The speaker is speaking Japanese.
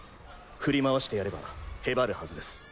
振り回してやればへばるはずです。